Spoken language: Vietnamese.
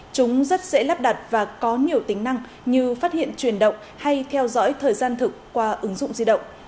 chúng rất dễ lắp đặt và có nhiều tính năng như phát hiện truyền động hay theo dõi thời gian thực qua ứng dụng di động